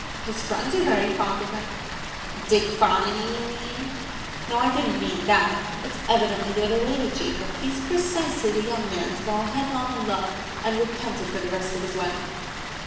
"His friends are very fond of him." "Dick Bonamy, you mean?" "No, I didn't mean that. It's evidently the other way with Jacob. He is precisely the young man to fall headlong in love and repent it for the rest of his life."